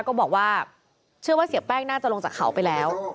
ก็บอกว่าเชื่อว่าเสียแป้งน่าจะลงจากเขาไปแล้ว